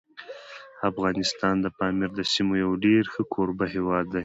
افغانستان د پامیر د سیمو یو ډېر ښه کوربه هیواد دی.